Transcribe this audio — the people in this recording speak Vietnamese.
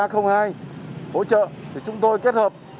phỗ trợ để chúng tôi kết hợp